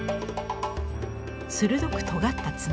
鋭くとがった爪。